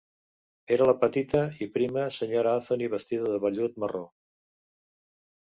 Era la petita i prima Sra. Anthony, vestida de vellut marró.